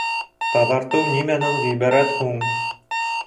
Таҙартыу нимәнән ғибәрәт һуң?